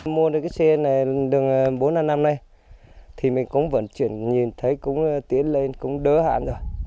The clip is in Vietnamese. mua được cái xe này đường bốn trăm năm mươi năm này thì mình cũng vận chuyển nhìn thấy cũng tiến lên cũng đỡ hạn rồi